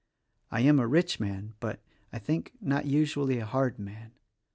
I am a rich man; but, I think, not usually a hard man.